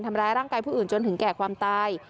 ทำร้ายร่างกายผู้อื่นจนถึงแก่ความตาย